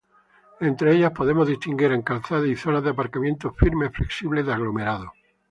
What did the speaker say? Entre ellas podemos distinguir en calzadas y zonas de aparcamiento, firmes flexibles de aglomerado.